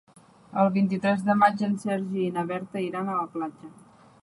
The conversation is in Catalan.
El vint-i-tres de maig en Sergi i na Berta iran a la platja.